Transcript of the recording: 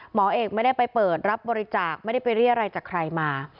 หมอเอกไม่ได้ไปเปิดรับบริจาคไม่ได้ไปเรียกอะไรจากใครมา